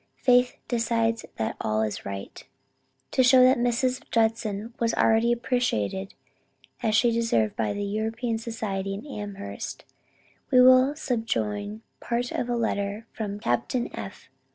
Faith decides that all is right." To show that Mrs. Judson was already appreciated as she deserved by the European society in Amherst, we will subjoin part of a letter from Captain F.